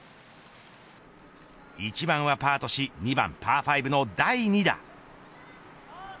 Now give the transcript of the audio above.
１番はパーとし２番パー５の第２打。